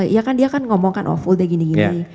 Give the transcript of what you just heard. ya kan dia ngomongkan awful deh gini gini